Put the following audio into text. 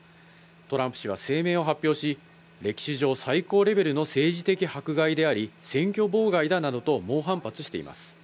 トランプ氏は声明を発表し、歴史上最高レベルの政治的迫害であり、選挙妨害だなどと猛反発しています。